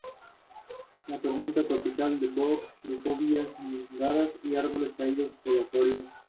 Luca Toni además consiguió la Bota de Oro, la única del club.